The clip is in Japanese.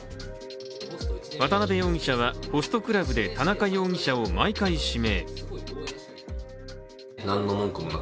渡邊容疑者はホストクラブで田中容疑者を毎回指名。